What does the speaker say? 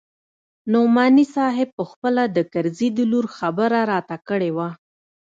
نعماني صاحب پخپله د کرزي د لور خبره راته کړې وه.